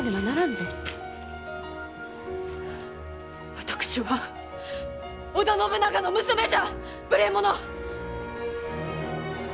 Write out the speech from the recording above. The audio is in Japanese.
私は織田信長の娘じゃ！